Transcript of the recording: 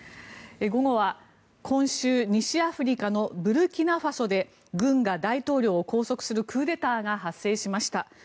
午後は今週、西アフリカのブルキナファソで軍が大統領を拘束するクーデターが発生しました。